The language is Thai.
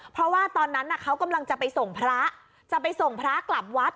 เพราะว่าตอนนั้นเขากำลังจะไปส่งพระจะไปส่งพระกลับวัด